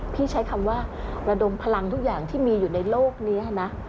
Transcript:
ใช้คำว่าระดมพลังทุกอย่างที่มีอยู่ในโลกนี้นะ